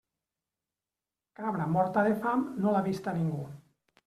Cabra morta de fam no l'ha vista ningú.